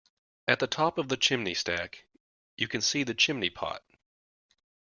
At the top of the chimney stack, you can see the chimney pot